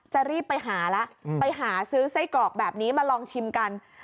จะรีบไปหาแล้วไปหาซื้อไส้กรอกแบบนี้มาลองชิมกัน